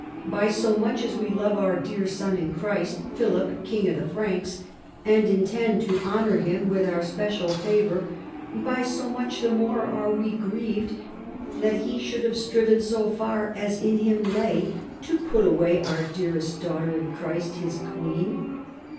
By so much as we love our dear son in Christ, Philip, king of the Franks, and intend to honour him with our special favour, by so much the more are we grieved that he should have striven so far as in him lay to put away our dearest daughter in Christ, his queen.